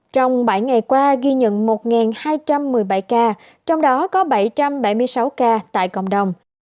trong bảy ngày qua ghi nhận một hai trăm một mươi bảy ca trong đó có bảy trăm bảy mươi sáu ca tại cộng đồng